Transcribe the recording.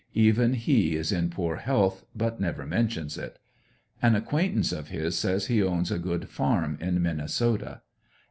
Even he is in poor health, but never mentions it. An acquaintance of his says he owns a good farm in Minnesota.